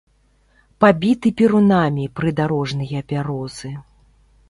Пабіты перунамі прыдарожныя бярозы.